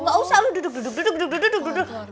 gak usah loh duduk duduk duduk duduk duduk